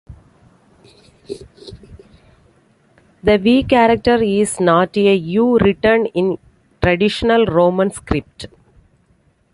The 'V' character is not a 'U' written in traditional Roman script.